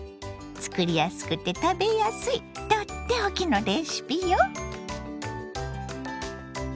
作りやすくて食べやすいとっておきのレシピよ。